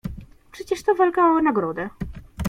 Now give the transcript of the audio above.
"Przecież to walka o nagrodę."